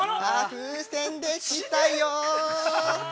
◆風船でしたよう。